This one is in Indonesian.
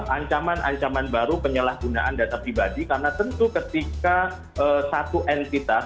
ancaman ancaman baru penyalahgunaan data pribadi karena tentu ketika satu entitas